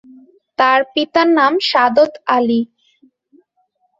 তার পিতার নাম সাদত আলী।